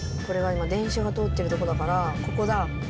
これは今電車が通ってるとこだからここだ。